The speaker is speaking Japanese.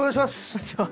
こんにちは。